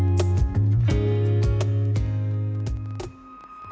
itu tanda keberhasilan